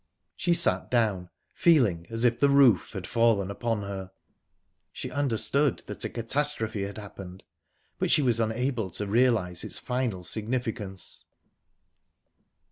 She sat down, feeling as if the roof had fallen upon her. She understood that a catastrophe had happened, but she was unable to realise its final significance.